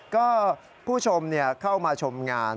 ก็ผู้ชมเข้ามาชมงาน